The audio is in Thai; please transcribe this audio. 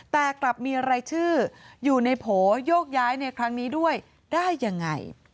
แต่กลับมีรายชื่ออยู่ในโผโยกย้ายในครั้งนี้ด้วยได้ยังไง